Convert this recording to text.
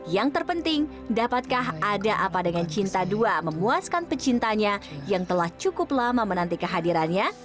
yang terpenting dapatkah ada apa dengan cinta dua memuaskan pecintanya yang telah cukup lama menanti kehadirannya